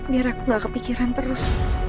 biar aku gak kepikiran terus